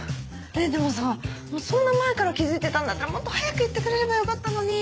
でもさそんな前から気付いてたんだったらもっと早く言ってくれればよかったのに。